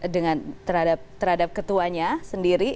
dengan terhadap ketuanya sendiri